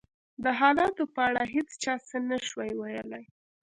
د حالاتو په اړه هېڅ چا څه نه شوای ویلای.